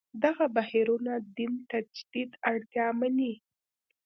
دغه بهیرونه دین تجدید اړتیا مني.